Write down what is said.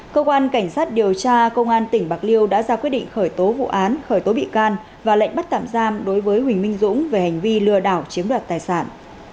cơ quan cảnh sát điều tra công an tỉnh bạc liêu đã ra quyết định khởi tố vụ án khởi tố bị can và lệnh bắt tạm giam đối với huỳnh minh dũng về hành vi lừa đảo chiếm đoạt tài sản